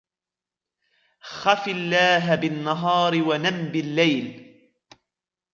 خَفْ اللَّهَ بِالنَّهَارِ وَنَمْ بِاللَّيْلِ